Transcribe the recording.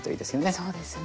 そうですね。